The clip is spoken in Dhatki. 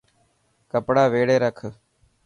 ڪپڙا ويڙي رک.